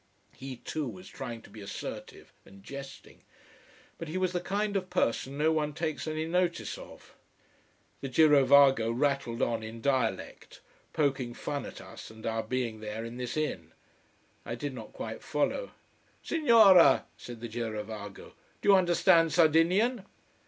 He too was trying to be assertive and jesting, but he was the kind of person no one takes any notice of. The girovago rattled on in dialect, poking fun at us and at our being there in this inn. I did not quite follow. "Signora!" said the girovago. "Do you understand Sardinian?"